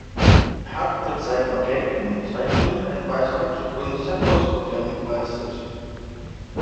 Er hat mit seinen Objekten und Zeichnungen einen Beitrag zur Kunst der Postmoderne geleistet.